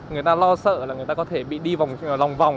người ta lo sợ là người ta có thể bị đi vòng lòng vòng